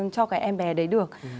cho cái em bé đấy được